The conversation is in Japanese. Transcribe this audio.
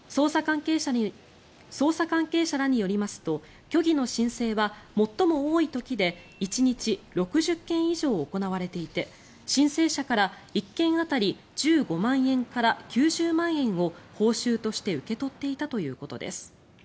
捜査関係者らによりますと虚偽の申請は最も多い時で１日６０件以上行われていて申請者から１件当たり１５万円から９０万円を報酬として受け取っていたということです。